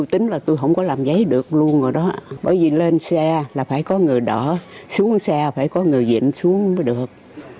tính là tôi không có làm giấy được luôn vào đó bởi vì lên xe là phải có người đỡ xuống xe phải có người diện xuống mới được